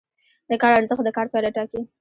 د کار ارزښت د کار پایله ټاکي.